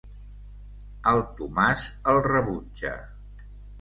El Tomàs el rebutja.